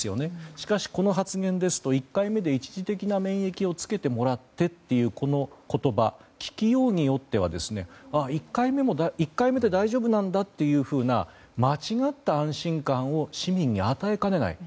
しかし、この発言ですと１回目で一時的な免疫をつけてもらってというこの言葉は聞きようによっては１回目で大丈夫なんだというような間違った安心感を市民に与えかねない。